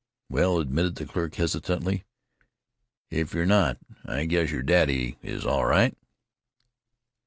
"Well," admitted the clerk hesitantly, "if you're not, I guess your daddy is, all right."